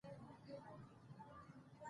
اقتصاد دوه اصلي څانګې لري: خرد او کلان.